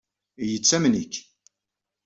Yettamen-ik.